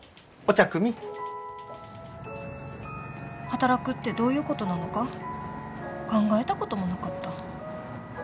働くってどういうことなのか考えたこともなかった。